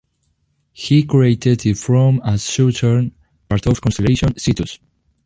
He created it from a southern part of constellation Cetus.